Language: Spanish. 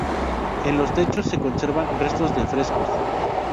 En los techos se conservan restos de frescos.